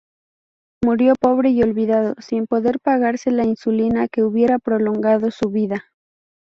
Murió pobre y olvidado, sin poder pagarse la insulina que hubiera prolongado su vida.